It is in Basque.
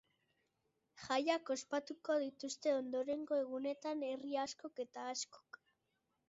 Jaiak ospatuko dituzte ondorengo egunetan herri askok eta askok.